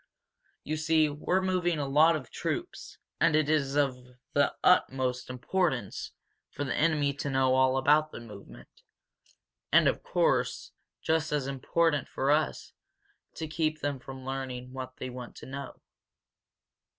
"You see, we're moving a lot of troops. And it is of the utmost importance for the enemy to know all about the movement and, of course, just as important for us to keep them from learning what they want to know.